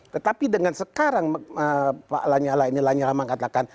tetapi dengan sekarang pak lanyala ini lanyala mengatakan